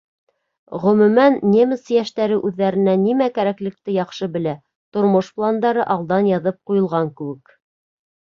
Ғөмүмән, немец йәштәре үҙҙәренә нимә кәрәклекте яҡшы белә: тормош пландары алдан яҙып ҡуйылған кеүек.